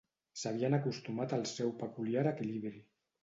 S'havien acostumat al seu peculiar equilibri.